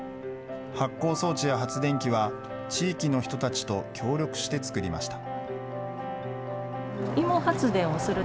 発酵装置や発電機は、地域の人たちと協力して作りました。